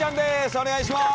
お願いします。